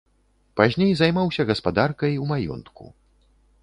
Пазней займаўся гаспадаркай у маёнтку.